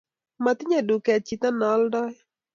matinyei duket chito ne aldoi